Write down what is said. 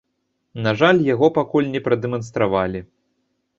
На жаль, яго пакуль не прадэманстравалі.